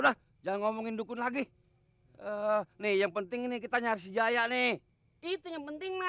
udah jangan ngomongin dukun lagi nih yang penting ini kita nyaris jaya nih itu yang penting